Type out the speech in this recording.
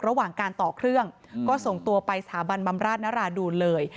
ระหว่างการต่อเครื่องก็ส่งตัวไปสถาบันบำราชนราดูลเลย